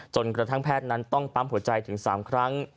กระทั่งแพทย์นั้นต้องปั๊มหัวใจถึง๓ครั้ง